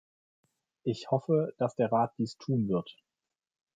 Ich hoffe, dass der Rat dies tun wird.